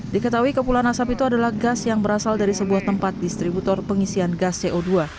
diketahui kepulan asap itu adalah gas yang berasal dari sebuah tempat distributor pengisian gas co dua